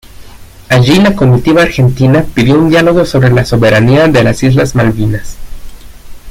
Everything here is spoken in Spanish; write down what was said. Allí la comitiva argentina pidió un diálogo sobre la soberanía de las islas Malvinas.